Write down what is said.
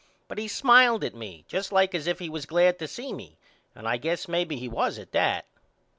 But he smiled at me just like as if he was glad to see me and I guess maybe he was at that.